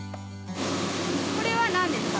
これは何ですか？